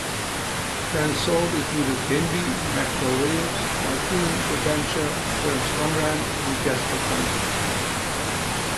Brands sold included Denby, Maxwell Williams, Typhoon, Brabantia, Terence Conran and Jasper Conran.